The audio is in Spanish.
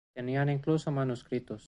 Tenían incluso manuscritos".